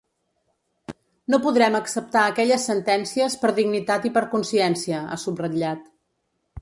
“No podrem acceptar aquelles sentències per dignitat i per consciència”, ha subratllat.